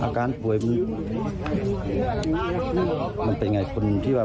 อาการป่วยมันเป็นอย่างไรคุณคิดว่า